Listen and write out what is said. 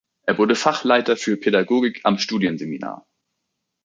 Er wurde Fachleiter für Pädagogik am Studienseminar.